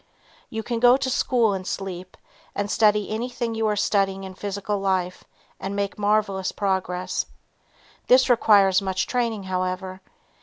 You can go to school in sleep and study anything you are studying in physical life and make marvelous progress. This requires much training, however.